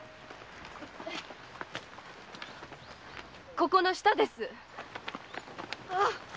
ここの下です。